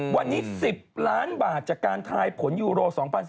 วันนี้๑๐ล้านบาทจากการทายผลยูโร๒๐๑๘